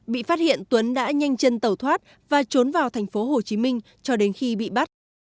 bị phát hiện tuấn đã nhanh chân tẩu thoát và trốn vào thành phố hồ chí minh cho đến khi bị bắt